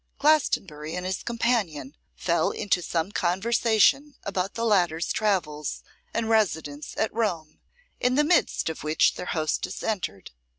Glastonbury and his companion fell into some conversation about the latter's travels, and residence at Rome, in the midst of which their hostess entered.